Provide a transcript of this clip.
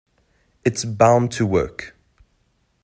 It's bound to work.